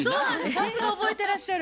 さすが覚えてらっしゃる。